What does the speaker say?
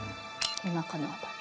おなかの辺り。